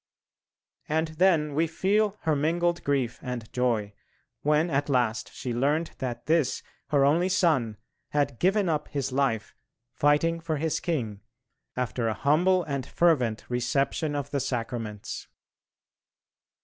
And then we feel her mingled grief and joy when at last she learnt that this, her only son, had given up his life, fighting for his King, after a humble and fervent reception of the Sacraments.